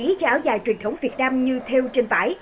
trang trí cho áo dài truyền thống việt nam như theo trên vải